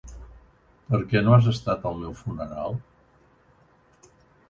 Per què no has estat al meu funeral?